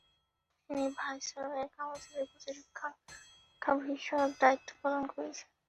তিনি ভাইসরয়ের কাউন্সিলে প্রতিরক্ষা বিষয়ক দায়িত্বপালন করেছেন।